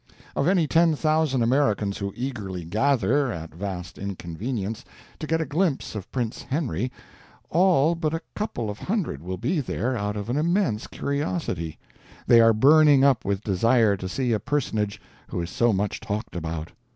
Of any ten thousand Americans who eagerly gather, at vast inconvenience, to get a glimpse of Prince Henry, all but a couple of hundred will be there out of an immense curiosity; they are burning up with desire to see a personage who is so much talked about.